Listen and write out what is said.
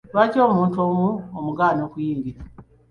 Lwaki omuntu omu omugaana okuyingira?